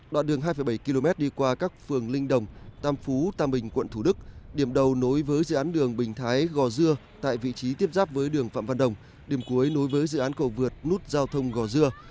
đoạn đường hai bảy km đi qua các phường linh đồng tam phú tam bình quận thủ đức điểm đầu nối với dự án đường bình thái gò dưa tại vị trí tiếp giáp với đường phạm văn đồng điểm cuối nối với dự án cầu vượt nút giao thông gò dưa